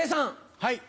はい。